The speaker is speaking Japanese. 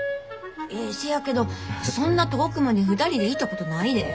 えせやけどそんな遠くまで２人で行ったことないで。